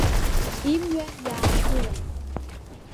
Имҩа иаангылан.